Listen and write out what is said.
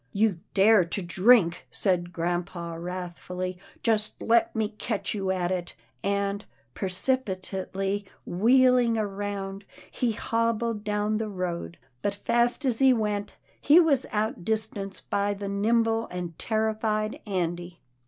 " You dare to drink," said grampa wrathfully, " just let me catch you at it," and, precipitately wheeling round, he hobbled down the road, but, fast as he went, he was out distanced by the nimble and terrified Andy.